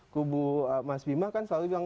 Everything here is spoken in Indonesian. kubu mas bima kan selalu bilang